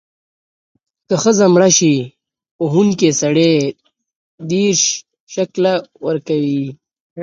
که ښځه مړه شي، وهونکی سړی دیرش شِکِل ورکړي.